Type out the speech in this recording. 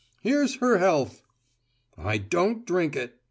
Here's her health!" "I don't drink it!"